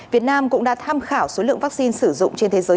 việt nam cũng đã tham khảo số lượng vaccine sử dụng trên thế giới